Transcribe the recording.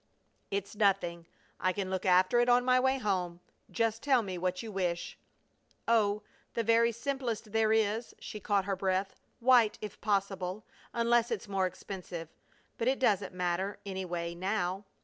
"It's nothing. I can look after it on my way home. Just tell me what you wish." "Oh, the very simplest there is!" she caught her breath "white if possible, unless it's more expensive. But it doesn't matter, anyway, now.